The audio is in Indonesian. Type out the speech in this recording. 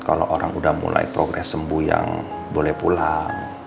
kalau orang sudah mulai progres sembuh yang boleh pulang